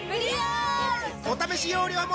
お試し容量も